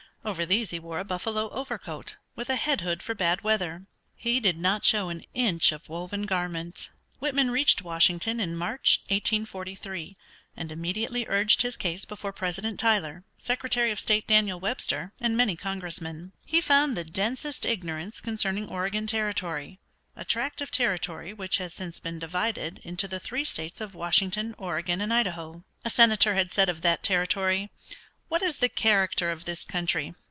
Over these he wore a buffalo overcoat, with a head hood for bad weather. He did not show an inch of woven garment. Whitman reached Washington in March, 1843, and immediately urged his case before President Tyler, Secretary of State Daniel Webster, and many congressmen. He found the densest ignorance concerning Oregon Territory, a tract of territory which has since been divided into the three states of Washington, Oregon, and Idaho. A senator had said of that territory, "What is the character of this country?